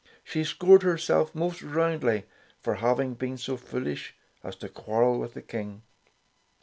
She scored herself most roundly for having been so foolish as to quarrel with the King.